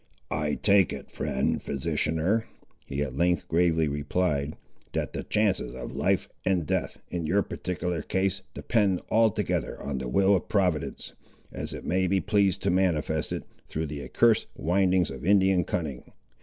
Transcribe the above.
"I take it, friend physicianer," he at length gravely replied, "that the chances of life and death, in your particular case, depend altogether on the will of Providence, as it may be pleased to manifest it, through the accursed windings of Indian cunning.